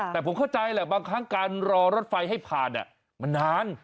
แต่ผมเข้าใจแหละบางครั้งการรอรถไฟให้ผ่านมันนาน